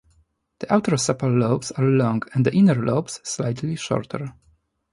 The outer sepals lobes are long and the inner lobes slightly shorter.